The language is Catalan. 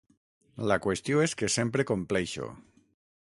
La qüestió és que sempre compleixo.